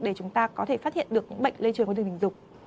để chúng ta có thể phát hiện được những bệnh lây truyền qua đường tình dục